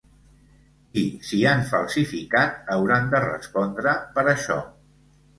I si han falsificat, hauran de respondre per això.